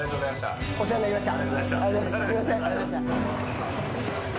お世話になりました。